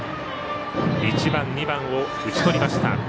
１番、２番を打ち取りました。